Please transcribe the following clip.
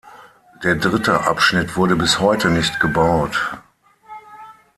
Der dritte Abschnitt wurde bis heute nicht gebaut.